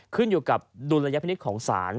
ขึ้นอยู่กับดุลยพินิษฐ์ของศาล